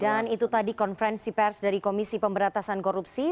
dan itu tadi konferensi pers dari komisi pemberantasan korupsi